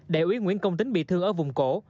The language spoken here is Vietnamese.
đại úy nguyễn công tính bị thương ở vùng cổ